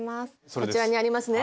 こちらにありますね。